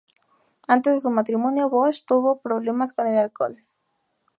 Antes de su matrimonio, Bush tuvo problemas con el alcohol.